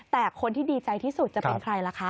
แต่คนที่ดีใจที่สุดจะเป็นใครล่ะคะ